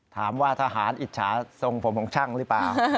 ถามว่าทหารอิจฉาทรงผมของช่างหรือเปล่า